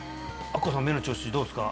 明子さん目の調子どうですか？